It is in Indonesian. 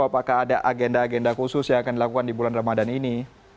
apakah ada agenda agenda khusus yang akan dilakukan di bulan ramadan ini